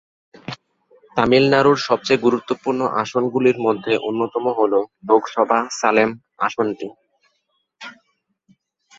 তামিলনাড়ুর সবচেয়ে গুরুত্বপূর্ণ আসনগুলির মধ্যে অন্যতম হল লোকসভা সালেম আসনটি।